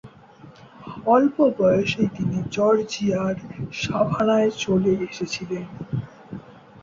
অল্প বয়সেই তিনি জর্জিয়ার সাভানায় চলে এসেছিলেন।